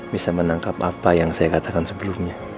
bisa menangkap apa yang saya katakan sebelumnya